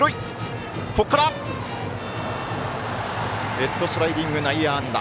ヘッドスライディング、内野安打。